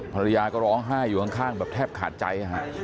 ภรรยาก็ร้องไห้อยู่ข้างแบบแทบขาดใจ